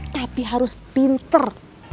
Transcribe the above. tapi harus pinter